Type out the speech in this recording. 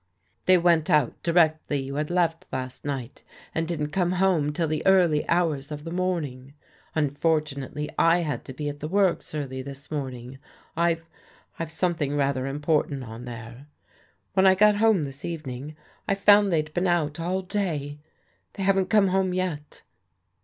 "They went out directly you had left last night, and didn't come home till the early hours of the morning. Unfortunately I had to be at the works early this morn ing. I've — I've something rather important on there. When I got home this evening, I found they'd been out all day. They haven't come home yet."